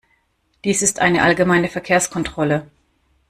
Dies ist eine allgemeine Verkehrskontrolle.